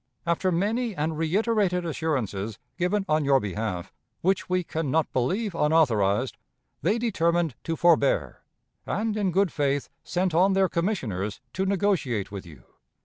After many and reiterated assurances given on your behalf, which we can not believe unauthorized, they determined to forbear, and in good faith sent on their commissioners to negotiate with you.